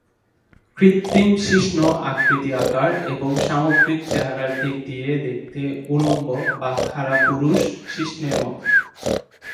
কৃত্রিম শিশ্ন আকৃতি-আকার, এবং সামগ্রিক চেহারার দিক দিয়ে দেখতে উলম্ব বা খাড়া পুরুষ শিশ্নের মতো।